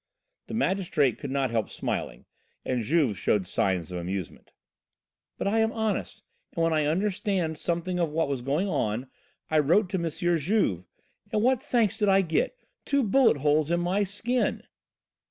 The magistrate could not help smiling, and Juve showed signs of amusement. "But I am honest, and when I understand something of what was going on, I wrote to M. Juve. And what thanks did I get? Two bullet holes in my skin!"